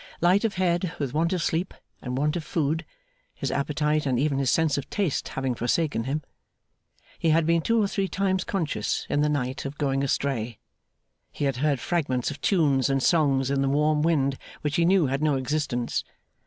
Light of head with want of sleep and want of food (his appetite, and even his sense of taste, having forsaken him), he had been two or three times conscious, in the night, of going astray. He had heard fragments of tunes and songs in the warm wind, which he knew had no existence.